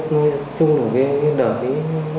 nói chung là cái đời ấy